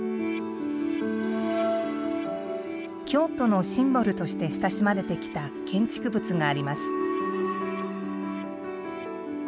京都のシンボルとして親しまれてきた建築物があります。